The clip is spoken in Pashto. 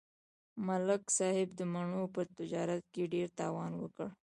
ملک صاحب د مڼو په تجارت کې ډېر تاوان وکړ